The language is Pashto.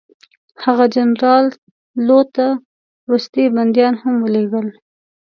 هغه جنرال لو ته وروستي بندیان هم ولېږل.